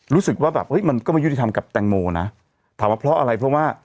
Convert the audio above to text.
รู้สึกว่าแบบเฮ้ยมันก็ไม่ยุติธรรมกับแตงโมนะถามว่าเพราะอะไรเพราะว่า